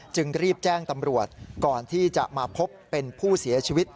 จึงรีบแจ้งตำรวจก่อนที่จะมาพบเป็นผู้เสียชีวิต